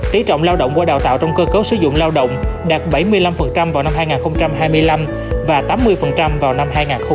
tỷ trọng lao động qua đào tạo trong cơ cấu sử dụng lao động đạt bảy mươi năm vào năm hai nghìn hai mươi năm và tám mươi vào năm hai nghìn hai mươi